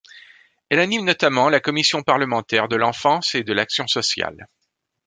Elle anime notamment la commission parlementaire de l'enfance et de l'action sociale.